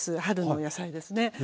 春の野菜ですね。